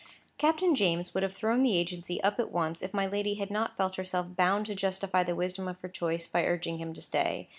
Captain James would have thrown the agency up at once, if my lady had not felt herself bound to justify the wisdom of her choice, by urging him to stay.